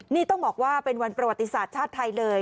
นี่ต้องบอกว่าเป็นวันประวัติศาสตร์ชาติไทยเลย